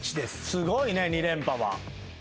すごいね２連覇は。